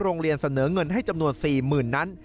โรงเรียนเสนอเงินให้จำนวน๔๐๐๐นั้น